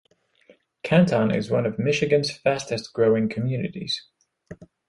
Canton is one of Michigan's fastest growing communities.